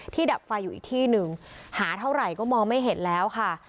ดับไฟอยู่อีกที่หนึ่งหาเท่าไหร่ก็มองไม่เห็นแล้วค่ะ